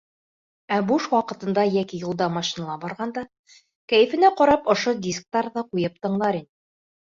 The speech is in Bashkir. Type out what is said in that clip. Ә буш ваҡытында йәки юлда машинала барғанда кәйефенә ҡарап, ошо дисктарҙы ҡуйып тыңлар ине.